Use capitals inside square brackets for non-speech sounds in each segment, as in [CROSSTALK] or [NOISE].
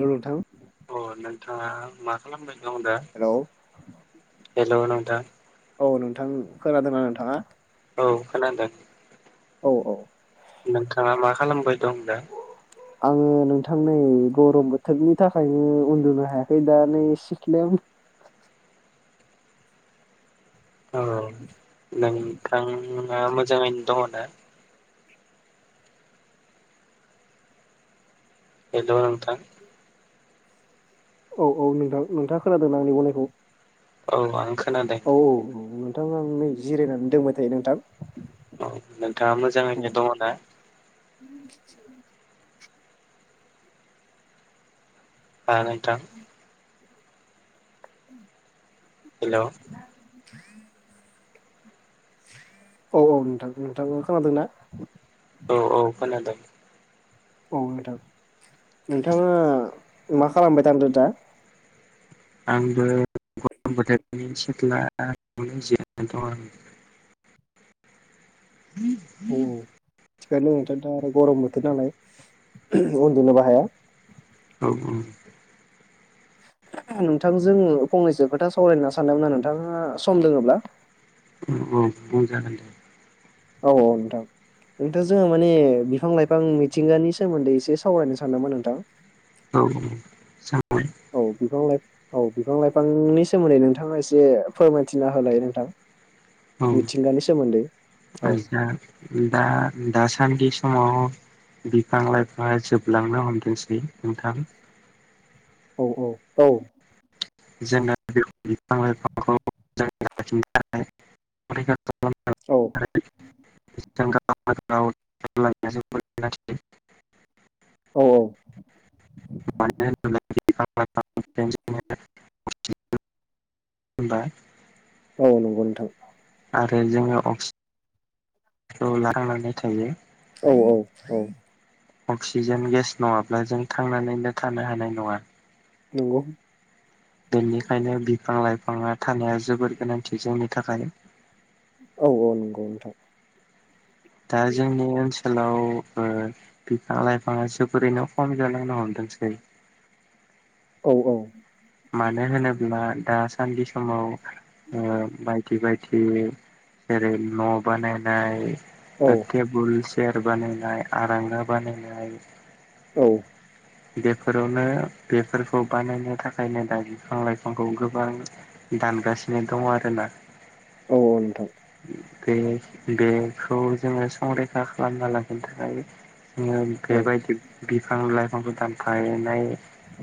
न नोंथां अ नोंथाङा मा खालामबाय नं दा हेल' नोंथां औ नोंथां खोनादोंना नोंथाङा औ खोन द औ औ नोंथाङा मा खालामबाय दं दा आङो नोंथां नै गरम बोथोरनि थाखायनो उन्दुनो हायाखै दा नै सिखलिम औ नोंथाङा मोजाङैनो दङ ना हेलौ नोंथां औ औ नोंथां नोंथाङा खोनादों आंनि गनायखौ औ आं खोनादों औ औ औ नोंथां आं नै जिरायनानै दंबाय थायो नोंथां औ नोंथाङा मोजाङैनो दङ ना आ नोंथां उ हेल' औ औ नथां नोंथां खोनादों ना औ औ खोनादों औ नोंथां नोंथाङा मा खालामबाय थांदो दा आंबो गरम बोथोरनि सिख्लानो ज दं आं उ थखायनोोंथ दा गरम बोथोर नालाय उन्दुनो बाहाया औ औ नोंथांजोंो फंनैसो खोथा सावरायना सानदोंमोना नोंथाङा सम लोङोब्ला औ औ जागोन दे औ औ नोंथां नोंथां जोङो माने बिफां लाइफां मिथिंगानि सोमोन्दै एसे सावरायनो सानदोंमोन नोंथां औ औ जाबाय औ बिफां लाइफ औ बिफां लाइफांनि सोमोन्दै नोंथाङा एसे फोरमायथिना होलाय नोंथां औ मिथिंगानि सोमोन्दै औ दा दासानदि समाव बिफां लाइफांङा जोबलांनो हमदोंसै नोंथां। औ औ औ जोंना बे बिफां लाइफांखौ मोजां लाखिनो थाखाय [UNINTELLIGIBLE] औ जों गावनो गाव लानाया जोबोद गोनांथि। औ औ मानो होनोब्ला बिफां लाइफांनिफ्रायनो जोङो होनबा औ नंगौ नोंथां। आरो जोङो अक्सि [UNINTELLIGIBLE] खौ ला थांनानै थायो। औ औ औ अक्सिजेन गेस नङाब्ला जों थांनानैनो थानो हानाय नङा। नंगौ बेनिखायनो बिफां लाइफाङा थानाया जोबोद गोनांथि जोंनि थाखाय। औ औ नंगौ नोंथां। दा जोंनि ओनसोल [UNINTELLIGIBLE] ओ बिफां लाइफाङा जोबोरैनो खम जालांनो हमदोंसै। औ औ मानो होनोब्ला दा सान्दि समाव ओ बायदि बायदि ओरै न' बानायनाय औ ओ टेबोल चेयार बानायनाय आरांगा बानायनाय। औ बेफोरावनो बेफोरखौ बानायनो थाखायनो दा बिफां लाइफांखौ गोबां दानगासिनो दङ आरोना। औ औ नोंथां बे बेखौ जोङो संरैखा खालामना लाखिनो थाखाय [UNINTELLIGIBLE] औ बेबायदि बिफां लाइ फाखौ दानफायनाय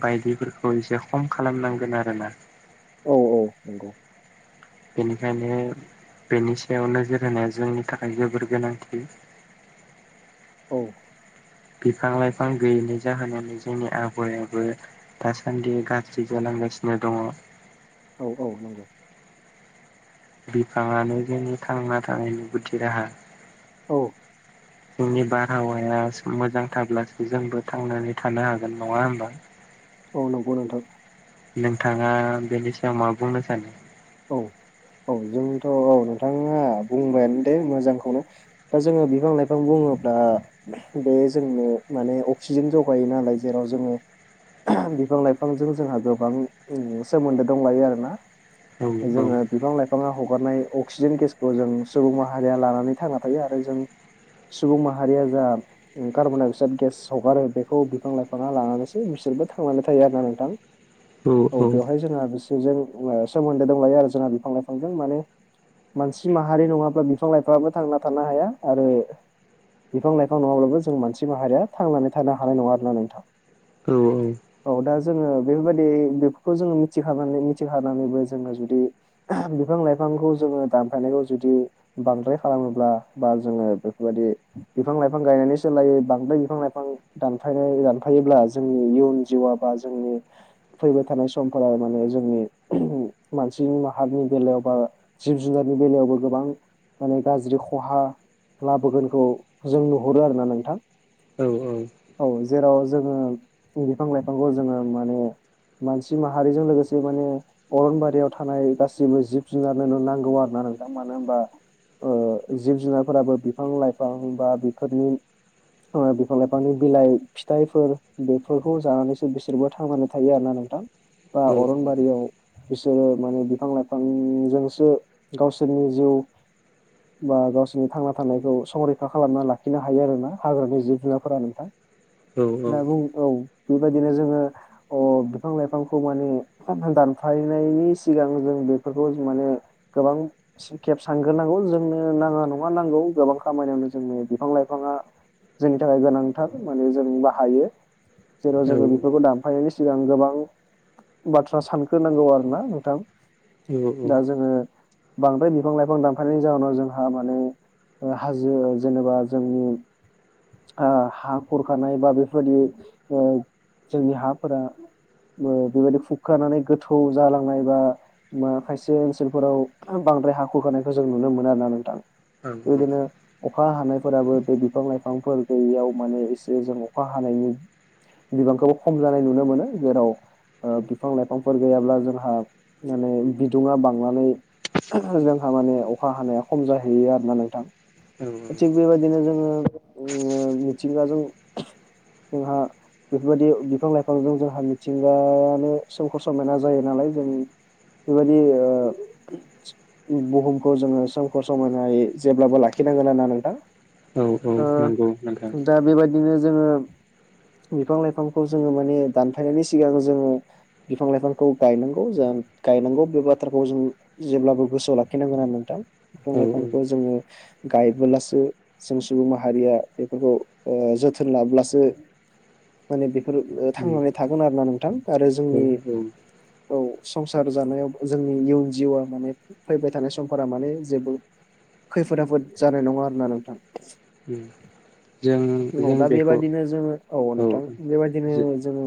बायदिफोरखौ एसे खम खालामनांगोन आरोना। औ औ नंगौ। बेनिखायनो बेनि सायाव नोजोर होनाया जोंनि थाखाय जोबोर गोनांथि। औ बिफां लाइफां गैयैनि जाहोनावनो जोंनि आबहायाबो दासान्दि गाज्रि जालांगासिनो दङ। औ औ नंगौ। बिफाङानो जोंनि थांना थानायनि गुदि राहा। औ जोंनि बारहावाया मोजां थाब्लासो जोंबो थांनानै थानो हागोन नङा होमबा? औ नंगौ नोंथां। नोंथाङा बेनि सायाव मा बुंनो सानो? औ [INAUDIBLE] औ जोंथ' औ नोंथाङा बुंबायानो दे मोजांखौनो दा जोङो बिफां लाइफां बुङोब्ला बे जोंनो माने अक्सिजेन जगायो नालाय जेराव जोङो [UNINTELLIGIBLE] बिफां लाइफांजों जोंहा गोबां सोमोन्दो दंलायो आरोना। औ औ जोङो बिफां लाइ बिफाङा हगारनाय अक्सिजेन गेसखौ जों सुबुं माहारिया लानानै थांना थायो आरो जों सुबुं माहारिया जा कार्बन डाइ अक्साइड गेस हगारो बेखौ बिफां लाइफाङा लानानैसो बिसोरबो थांनानै थायो आरोना नोंथां। औ बेवहाय जोंहा बिसोरजों सोमोन्दो दंलायो आरो जोंहा बिफां लाइफांजों माने मानसि माहारि नङाब्ला बिफां लाइफाङाबो थांना थानो हाया आरो बिफां लाइफां नङाब्लाबो जों मानसि माहारिया थांनानै थानो हानाय नङा आरोना नोंथां। औ औ। औ दा जोङो बेफोरबायदि बेफोरखौ जोङो मिथिखानानै मिथिखानानैबो जोङो जुदि [UNINTELLIGIBLE] बिफां लाइफांखौ जोङो दानफायनायखौ जुदि बांद्राय खालामोब्ला बा जोङो बेफोरबायदि बिफां लाइफां गायनानै सोलायो बांद्राय बिफां लाइफां दानफायनाय दानफायोब्ला जोंनि इयुन जिउआ बा जोंनि फैबाय थानाय समफोराव माने जोंनि मानसि माहारिनि बेलायाव बा जिब जुनारनि बेलायावबो गोबां माने गाज्रि खहा लाबोगोनखौ जों नुहरो आरोना नोंथां। औ औ जेराव जोङो बिफां लाइफांखौ जोङो माने मानसि माहारिजों लोगोसे माने अरनबारि बेयाव थानाय गासिबो जिब जुनारनोनो नांगौ आरोना नोंथां मानो होमबा ओ जिब जुनारफोराबो बिफां लाइफां बा बेफोरनि ओ बिफां लाइफांनि बिलाइ फिथाइफोर बेफोरखौ जानानैसो बिसोरबो थांनानै थायो आरोना नोंथां बा अरन बारिआव बिसोरो माने बिफां लाइफांजोंसो गावसोरनि जिउ बा गावसोरनि थांना थानायखौ संरैखा खालामना लाखिनो हायो आरोना हाग्रानि जिब जुनारफोरा नोंथां। [INAUDIBLE] दे बुं। औ बेबायदिनो जोङो अ बिफां लाइफांखौ माने दानफा यनायनि सिगां जों बेफोरखौ माने गोबां खेब सानग्रोनांगौ। जोंनो नाङा नङा नांगौ गोबां खामानियावनो जोंनो बिफां लाइफाङा जोंनि थाखाय गोनांथार माने जों बाहायो। जेराव जोङो बेफोरखौ दानफायनायनि सिगां गोबां बाथ्रा सान ग्रो नांगौ आरोना नोंथां। दा जोङो बांद्राय बिफां लाइफां दानफानायनायनि जाउनाव जोंहा माने ओ हाजो जेनेबा जोंनि ओ हा खुरखानाय बा बेफोरबायदि ओ जोंनि हाफोरा ओ बेबायदि खुखानानै गोथौ जालांनाय बा बा खायसे ओनसोलफोराव बांद्राय हा हुखानायखौ जों नुनो मोनो आरना नोंथां। औ बे बायदिनो अखा हानायफोराबो बे बिफां लाइफांफोर गैयैयाव माने एसे जों अखा हानायनि बिबांखौबो खम जानाय नुनो मोनो। जेराव ओ बिफां लाइफां फोर गैयाब्ला जोंहा माने बिदुुंङा बांनानै जोंहा माने अखा हानाया खम जाहैयो आरोना नोंथां। थिग बेबायदिनो जोङो मिथिंगाजों जोंहा बेफोरबायदि बिफां लाइफांजों जोंहा मिथिंगायानो स समायना जायो नालाय जों बेबायदि ओ बुहुमखौ जोङो सोमखोर समयनायै जेब्लाबो लाखिनांगोन ना नोंथां। औ औ ओ नंगौ नोंथां दा बेबायदि बिदिनो जोङो बिफां लाइफांखौ जोङो माने दानफायनायनि सिगां जोङो बिफां लाइफांखौ गायनांगौ ज गायनांगौ बे बाथ्राखौ जों जेब्लाबो गोसोआव लाखिनांगोना नोंथां बिफां औ लाइफांखौ जोङो गायबोब्लासो जों सुबुं माहारिया बेफोरखौ जोथोन लाब्लासो माने बेफोर उम थांनानै थागोन आरो ना नोंथां आरो औ जोंनि औ। औ संसार जानायाव जोंनि इयुन जिउआ माने फैबाय थानाय समफोरा माने जेबो खैफोद आफोद जानाय नङा आरोना नोंथां। जों औ जों दा बेखौ बेबायदिनो जोङो औ नोंथां बेबायदिनो जोङो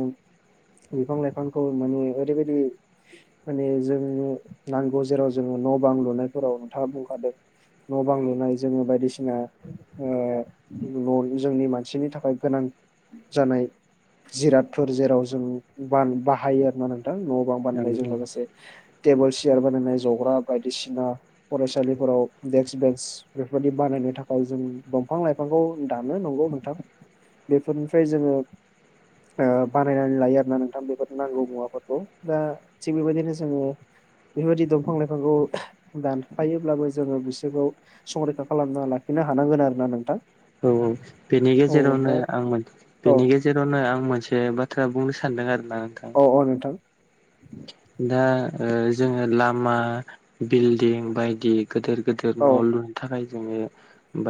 बिफां लाइफांखौ माने ओरैबायदि माने जोंनो नांगौ जेराव जोङो न' बां लुनायफोराव नोंथाङा बुंखादों न' बां लुनाय जोङो बायदिसिना ओ जोंनि मानसिनि थाखाय गोनां जानाय जिरादफोर जेराव जों बाहायो आरो ना नोंथां न' बां बाननायजों लोगोसे टेबोल सियार बानायनाय जग्रा बायदिसिना फरायसालिफोराव देक्स बेन्स बेफोर बायदि बानायनो थाखाय जों दंफां लाइफांखौ दानो नंगौ नोंथां बेफोरनिफ्राय जोङो बानायनानै लायो आरोना नोंथां बेफोर नांगौ मुवाफोरखौ दा थिग बेबायदिनो जोङो बेबायदि दंफां लाइफांखौ दानफायोब्लाबो जोङो बिसोरखौ संरैखा खालामना लाखिनो हानांगोन आरो ना नोंथां औ औ बेनि औ गेजेरावनो दा आं माने औ बेनि गे जेरावनो आं मोनसे बाथ्रा बुंनो सानदों आरोना औ औ नोंथां दा जोङो लामा बिल्डिं बायदि गेदेर गेदेर औ न' लुनो थाखाय जोङो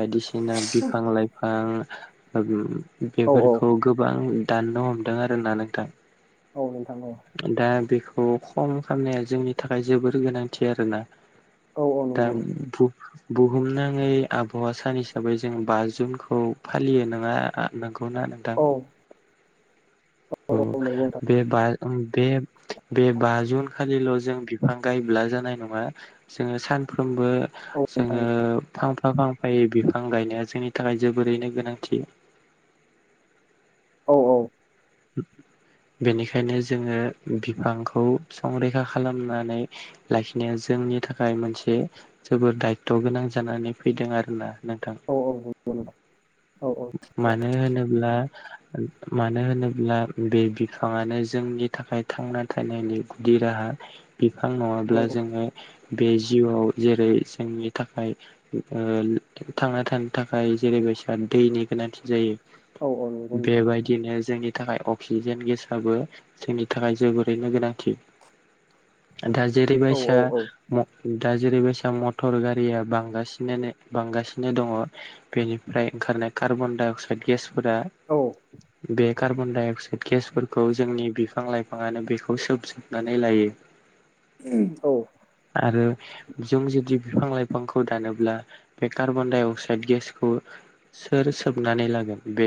बायदिसिना बिफां लाइफां औ औ बेफोरखौ गोबां दाननो हमदों आरोना नोंथां औ नोंथां दा बेखौ खम खालामनाया जोंनि थाखाय जोबोर गोनांथि आरोना औ औ दा नंगौ बुहुमनाङै आबहावा सान हिसाबै जोङो बा जुनखौ औ फालियो नङा नोंगौ ना नोंथां औ औ नंगौ नोंथां बे बा बे बा जुन खालिल' जों बिफां गायब्ला जानाय नङा जोङो सानफ्रोमबो औ नोंथां जोङो फांफा फां फायै बिफां गायनाया जोंनि थाखाय जोबोरैनो गोनांथि औ औ बेनिखायनो जोङो बिफांखौ संरैखा खालामनानै लाखिनाया जोंनि थाखाय मोनसे जोबोर दायथ' गोनां जानानै फैदों आरोना नोंथां औ औ नंगौ नंगौ औ औ मानो होनोब्ला मानो होनोब्ला बे बिफाङानो जोंनि थाखाय थांना थानायनि गुदि राहा बिफां नङाब्ला जोङो बे जिउआव जेरै जोंनि थाखाय थांना थानो थाखाय जेरैबायसा दैनि गोनांथि औ औ नंगौ जायो नोंथां बेबायदिनो जोंनि नि थाखाय अक्सिजेन गेसआबो जोंनि थाखाय जोबोरैनो गोनांथि दा जेरै औ बायसा औ दा जेरै बायसा मटर गारिया बांगासिनो दङ बेनिफ्राय ओंखारनाय कार्बन डाइ अक्साइद गेसफोरा बे कार्बन डाइ अक्साइड गेसफोरखौ जोंनि बिफां लाइफाङानो बेखौ सोबजोब नानै लायो उम औ आरो जों जुदि बिफां लाइफांखौ दानोब्ला बे कार्बन डाइ अक्साइद गेसखौ सोर सोबनानै लागोन बे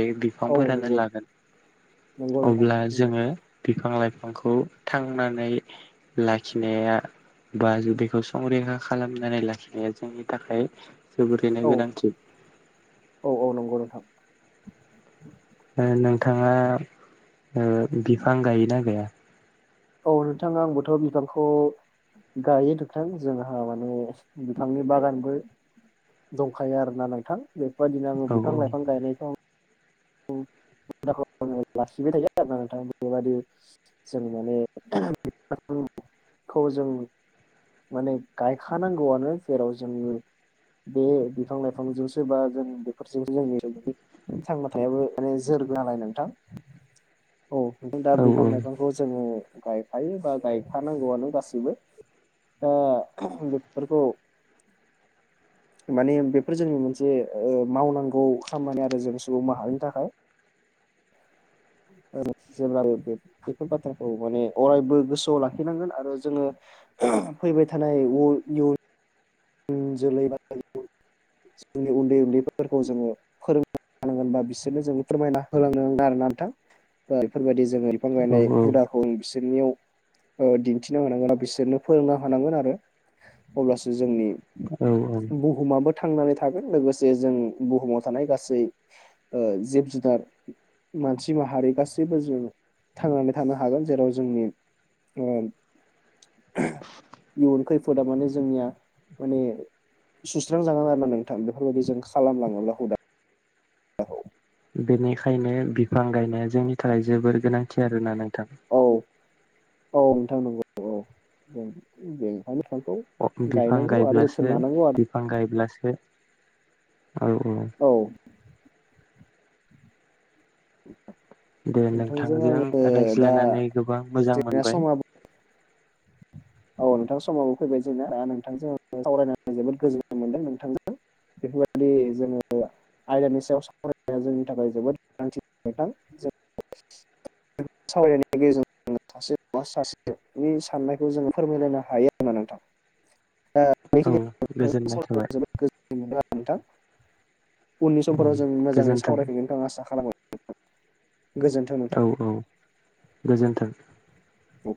औ बिफांफोरानो नंगौ लागोन नंगौ नोंथां अब्ला जोङो बिफां लाइफांखौ थांनानै लाखिनाया बा ज बेखौ संरैखा खालामनानै लाखिनाया जोंनि थाखाय जोबोरैनो औ गोनांथि औ औ नंगौ नोंथां। नोंथाङा बिफां गायोना गैया। औ नोंथाङा आंबोथ' बिफांखौ गायो नोंथां जोंहा माने बिफांनि बागानबो दंखायो आरोना नोंथां बेफोरबायदिनो आङो औ बिफां लाइफां गायनायखौ आं लाखिबाय थायो आरो ना नोंथां बेबायदि जों माने [UNINTELLIGIBLE] खौ जों माने गायखानांगौआनो जेराव जों बे बिफां लाइफांजोंसो बा जों बेफोरजोंसो जोंनि थांनानै फथायाबो माने जोरग नालाय नोंथां औ नथ दा औ बिफां लाइफां बे खौ जोङो गायफायो बा गायखानांगौआनो गासैबो दा बेफोरखौ माने बेफोर जोंनि मोनसे मावनांगौ खामानि आरो जों सुबुं माहारिनि थाखाय [INAUDIBLE] जेब्लाबो बेफोर बाथ्राखौ माने अरायबो गोसोआव लाखिनांगोन आरो जोङो फैबाय थानाय जोलै बा जोंनि उन्दै उन्दैफोरखौ जोङो फोरों थानांगोनबा बिसोरनो जों फोरमायना होलांनो नांगोन आरोना नोंथां बेफोरबायदि जों बिफां औ गायनाय हुदा खौ बिसोरनियाव दिन्थिनो हांगोन बा बिसोरनो फोरोंनो हानांगोन आरो अब्लासो जोंनि औ औ। बुहुमाबो थांनानै थागोन लोगोसे जों बुहुमाव थानाय गासै जिब जुनार मानसि माहारि गासैबो जों थांनानै थानो हागोन जेराव जोंनि इयुन खैफोदा माने जोंनिया माने सुस्रांजागोन आरो ना नोंथा बेफोरबायदि जों खालामलाङोब्ला हुदा बेनिखायनो बिफां गायनाया जोंनि थाखाय जोबोर गोनांथि आरोना नोंथां औ औ नोंथां नंगौ औ जों बेहायनो बिफां गायनांगौ आरो गायब्लासो जोथोन लानांगौ आरो बिफां गायब्लासो औ औ औ। दे नोंथांजों दा रायज्लायनानै गोबां मोजां जोंना मोनबाय समाबो औ नोंथां समावबो फैबाय जोंना नोंथांजों सावरायनानै जोबोद गोजोन्नाय मोनदों नोंथांजों बेफोरबायलि जोङो आयदानि सायाव सावरायनाया जोंनि थाखाय जोबोद गोनांथिथार नोंथां। सावरायनायनि गेजेरजों सासे नङा सासेनि साननायखौ जोङो फोरमायलायनो हायो आरोना नोंथां बे औ गोजोननाय थाबाय गोजोन्नाय मोनदों नोंथां उननि समफोराव जों मोजाङै गोजोन्थों सावरायफैगोन नोंथां आसा खालामो गोजोन्थों। नोंथां। औ औ गोजोन्थों। औ